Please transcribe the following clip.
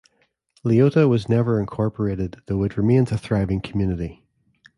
Leota was never incorporated, though it remains a thriving community.